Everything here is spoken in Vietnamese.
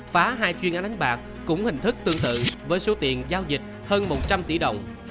phá hai chuyên án đánh bạc cũng hình thức tương tự với số tiền giao dịch hơn một trăm linh tỷ đồng